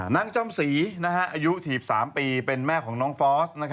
จ้อมศรีอายุ๔๓ปีเป็นแม่ของน้องฟอส